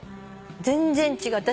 全然違う。